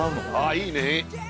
いいね！